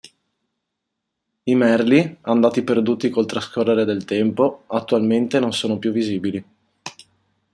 I merli, andati perduti col trascorrere del tempo, attualmente non sono più visibili.